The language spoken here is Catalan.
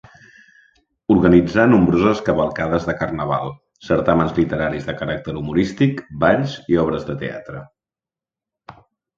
Organitzà nombroses cavalcades de Carnaval, certàmens literaris de caràcter humorístic, balls i obres de teatre.